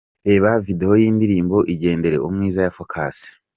Reba video y’indirimbo "Igendere Umwiza ya Focus".